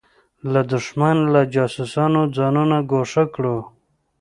له دښمن له جاسوسانو ځانونه ګوښه کړو.